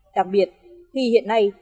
đặc biệt thì hiện nay